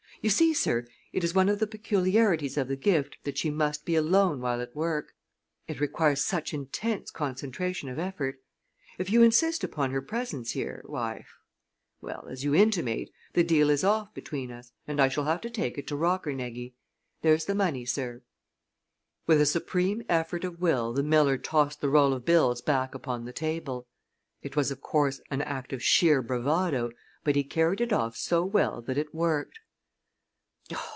"You see, sir, it is one of the peculiarities of the gift that she must be alone while at work. It requires such intense concentration of effort. If you insist upon her presence here, why well, as you intimate, the deal is off between us and I shall have to take it to Rockernegie. There's the money, sir." With a supreme effort of will the miller tossed the roll of bills back upon the table. It was, of course, an act of sheer bravado, but he carried it off so well that it worked.